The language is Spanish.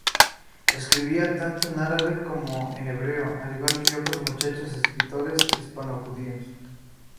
Escribía tanto en árabe como en hebreo, al igual que otros muchos escritores hispano-judíos.